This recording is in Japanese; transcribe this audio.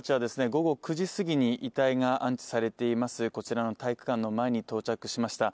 午後９時すぎに遺体が安置されていますこちらの体育館の前に到着しました。